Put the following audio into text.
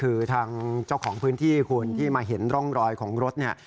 คือทางเจ้าของพื้นที่คุณที่มาเห็นร่องรอยของรถเนี่ย